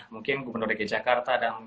mungkin gubernur dki jakarta dan